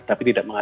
tapi tidak mungkin